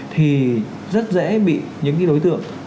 thì rất dễ bị những cái đối tượng